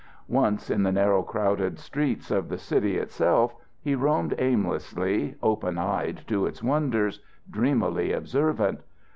Once in the narrow, crowded streets of the city itself, he roamed aimlessly, open eyed to its wonders, dreamily observant.